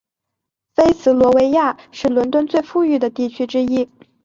菲茨罗维亚是伦敦最富裕的地区之一。